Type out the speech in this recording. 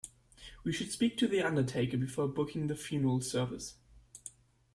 We should speak to the undertaker before booking the funeral service